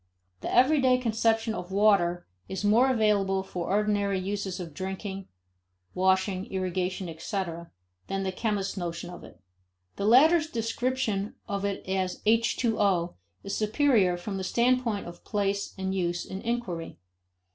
The everyday conception of water is more available for ordinary uses of drinking, washing, irrigation, etc., than the chemist's notion of it. The latter's description of it as H20 is superior from the standpoint of place and use in inquiry.